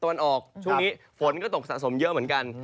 วันออกช่วงนี้ฝนก็ตกสะสมเยอะเหมือนกัน